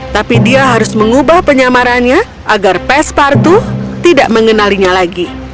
tapi dia harus mengubah penyamarannya agar pespartu tidak mengenalinya lagi